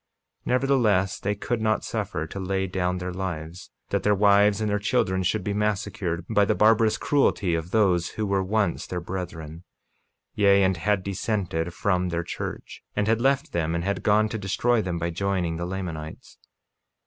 48:24 Nevertheless, they could not suffer to lay down their lives, that their wives and their children should be massacred by the barbarous cruelty of those who were once their brethren, yea, and had dissented from their church, and had left them and had gone to destroy them by joining the Lamanites.